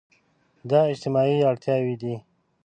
دا اجتماعي اړتياوې دي.